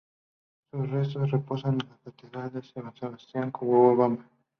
Sus restos reposan en la catedral de San Sebastián en Cochabamba.